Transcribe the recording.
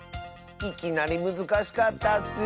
いきなりむずかしかったッス。